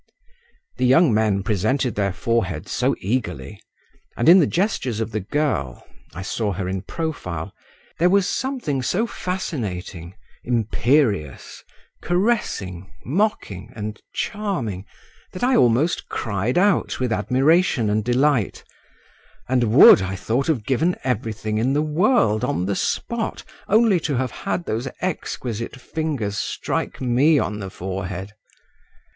The young men presented their foreheads so eagerly, and in the gestures of the girl (I saw her in profile), there was something so fascinating, imperious, caressing, mocking, and charming, that I almost cried out with admiration and delight, and would, I thought, have given everything in the world on the spot only to have had those exquisite fingers strike me on the forehead.